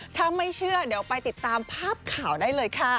ถ้าไม่เชื่อเดี๋ยวไปติดตามภาพข่าวได้เลยค่ะ